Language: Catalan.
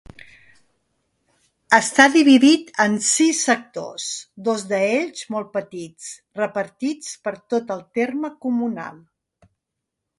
Està dividit en sis sectors, dos d'ells molt petits, repartits per tot el terme comunal.